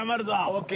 ＯＫ。